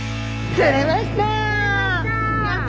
釣れました。